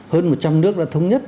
hơn một trăm linh nước đã thống nhất